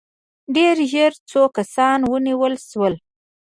ډېر ژر څو کسان ونیول شول.